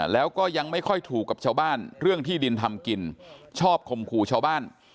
แล้วก็ยังไม่ค่อยถูกกับชาวบ้านเรื่องที่ดินทำกินชอบข่มขู่ชาวบ้าน